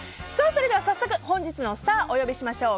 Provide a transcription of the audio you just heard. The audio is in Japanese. それでは早速、本日のスターをお呼びしましょう。